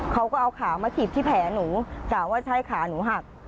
เขาก็เอาขามาถีบที่แผลหนูกะว่าใช่ขาหนูหัก